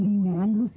gak bakal jadi satu